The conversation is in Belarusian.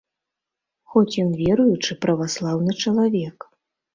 Хоць ён веруючы праваслаўны чалавек.